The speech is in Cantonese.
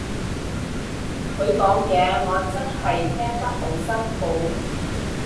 佢講嘢我真係聽得好辛苦